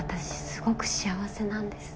すごく幸せなんです。